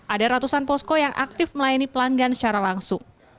ada ratusan posko yang aktif melayani pelanggan secara langsung